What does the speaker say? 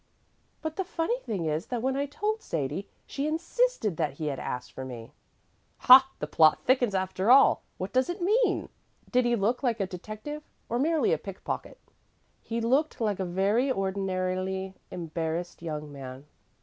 "But the funny thing is that when I told Sadie, she insisted that he had asked for me." "Ha! The plot thickens, after all. What does it mean? Did he look like a detective, or merely a pickpocket?" "He looked like a very ordinarily embarrassed young man."